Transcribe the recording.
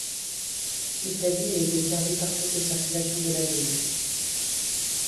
Italie est desservie par toutes les circulations de la ligne.